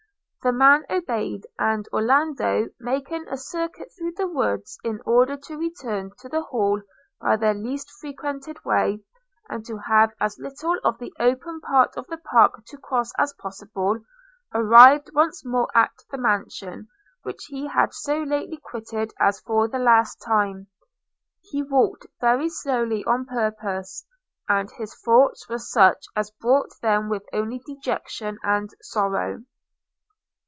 The man obeyed; and Orlando, making a circuit through the woods, in order to return to the Hall by the least frequented way, and to have as little of the open part of the park to cross as possible, arrived once more at the mansion which he had so lately quitted as for the last time. – He walked very slowly on purpose; and his thoughts were such as brought with them only dejection and sorrow.